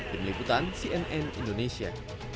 demikian cnn indonesia